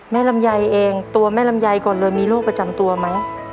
ลำไยเองตัวแม่ลำไยก่อนเลยมีโรคประจำตัวไหม